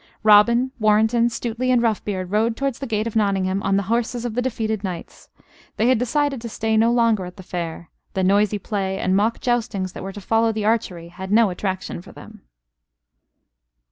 Robin, Warrenton, Stuteley, and Roughbeard rode towards the gate of Nottingham on the horses of the defeated knights. They had decided to stay no longer at the Fair: the noisy play and mock joustings that were to follow the archery had no attraction for them.